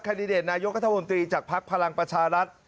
ดิเดตนายกัธมนตรีจากภักดิ์พลังประชารัฐ